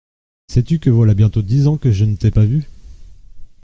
Sais-tu que voilà bientôt dix ans que je ne t’ai pas vu !…